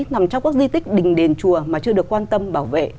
nằm trong các di tích đình đền chùa mà chưa được quan tâm bảo vệ